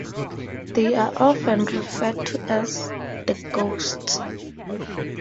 They are often referred to as "the Ghosts".